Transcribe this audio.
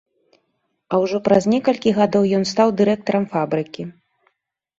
А ўжо праз некалькі гадоў ён стаў дырэктарам фабрыкі.